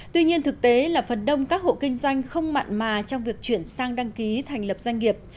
tuy nhiên thực tế là phần đông các hộ kinh doanh không mặn mà trong việc chuyển sang đăng ký thành lập doanh nghiệp